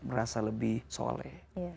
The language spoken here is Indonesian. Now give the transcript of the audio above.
merasa lebih soleh